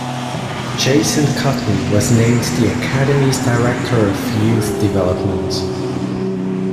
Jason Kutney was named the academy's Director of Youth Development.